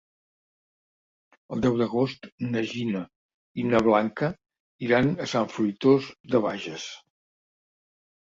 El deu d'agost na Gina i na Blanca iran a Sant Fruitós de Bages.